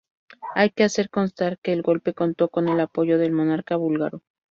Hay que hacer constar que el golpe contó con el apoyo del monarca búlgaro.